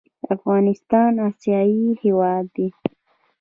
افغانستان اسیایي هېواد دی.